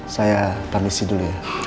saya permisi dulu ya